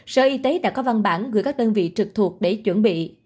sở y tế đã có văn bản gửi các đơn vị trực thuộc để chuẩn bị